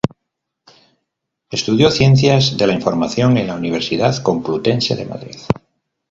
Estudió Ciencias de la información en la Universidad Complutense de Madrid.